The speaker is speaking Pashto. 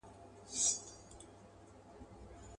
د يو سري مار خوراك يوه مړۍ وه.